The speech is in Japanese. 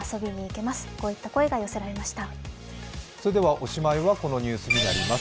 おしまいはこのニュースになります。